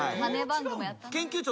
研究長。